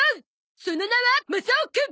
その名はマサオくん！